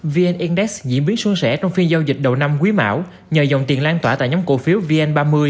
vn index diễn biến xuân sẻ trong phiên giao dịch đầu năm quý mão nhờ dòng tiền lan tỏa tại nhóm cổ phiếu vn ba mươi